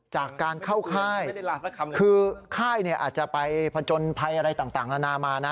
จากการเข้าค่ายคือค่ายอาจจะไปผจญภัยอะไรต่างนานามานะ